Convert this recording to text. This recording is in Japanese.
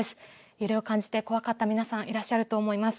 揺れを感じて怖かった皆さん、いらっしゃると思います。